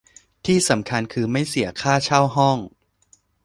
ที่สำคัญคือ ไม่เสียค่าเช่าห้อง